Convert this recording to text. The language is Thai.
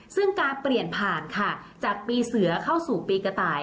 ซึ่งการเปลี่ยนผ่านค่ะจากปีเสือเข้าสู่ปีกระต่าย